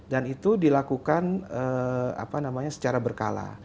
dan itu dilakukan apa namanya secara berkala